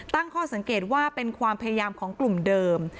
ตั้งข้อสังเกตว่าเป็นความพยายามของกลุ่มเดิม